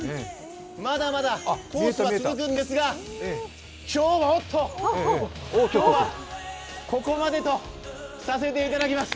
まだまだコースは続くんですがおっと、今日はここまでとさせていただきます。